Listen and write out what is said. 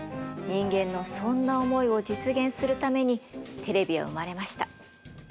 人間のそんな思いを実現するためにテレビは生まれました。